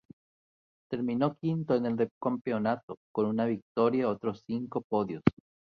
Terminó quinto en el campeonato, con una victoria y otros cinco podios.